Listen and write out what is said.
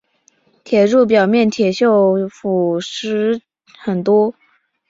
铁柱表面铁锈腐蚀很少。